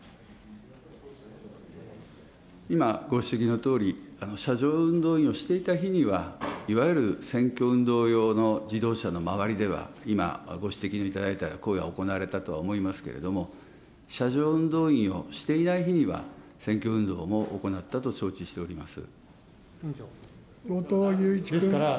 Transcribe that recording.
今、ご指摘のとおり、車上運動員をしていた日には、いわゆる選挙運動用の自動車の周りでは今ご指摘のいただいた行為は行われたと思いますけれども、車上運動員をしていない日には、選挙運動も行ったと承知しております。